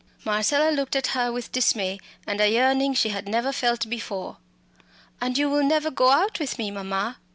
Marcella looked at her with dismay and a yearning she had never felt before. "And you will never go out with me, mamma?"